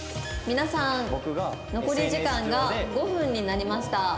「皆さん残り時間が５分になりました」